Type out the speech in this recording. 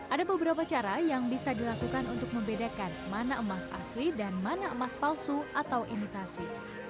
ada beberapa cara yang bisa dilakukan untuk membedakan mana emas asli dan mana emas palsu atau imitasi